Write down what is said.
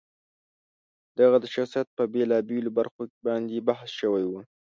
د هغه د شخصیت په بېلا بېلو برخو باندې بحث شوی و.